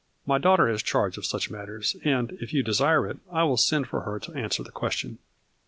My daughter has charge of such matters, and, if you desire it, I will send for her to answer the question."